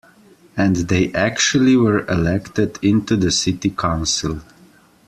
And they actually were elected into the city council.